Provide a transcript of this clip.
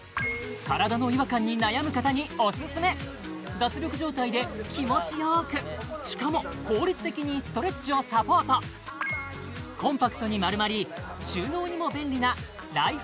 脱力状態で気持ちよくしかも効率的にストレッチをサポートコンパクトに丸まり収納にも便利なライフ